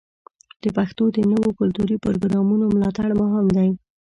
د پښتو د نویو کلتوري پروګرامونو ملاتړ مهم دی.